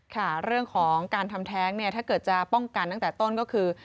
ค่ะเรื่องของการทำแท้งเนี่ยถ้าเกิดจะป้องกันตั้งแต่ต้นก็คือ